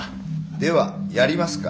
ではやりますか。